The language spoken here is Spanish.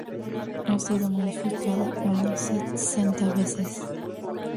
Ha sido modificada unas sesenta veces.